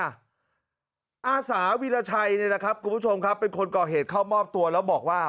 อาศาสมัครวีรชัยคุณผู้ชมครับเป็นคนก่อเหตุเข้ามอบตัวแล้วบอกว่า